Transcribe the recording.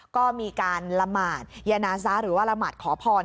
ก็มีการละหมาดยานาซะหรือว่าละหมาดขอพร